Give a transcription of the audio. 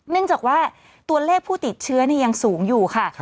เนื่องจากว่าตัวเลขผู้ติดเชื้อยังสูงอยู่ค่ะ